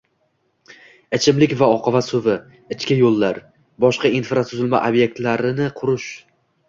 Ichimlik va oqova suvi, ichki yo‘llar, boshqa infratuzilma obyektlarini qurish